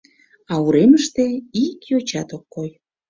А уремыште ик йочат ок кой.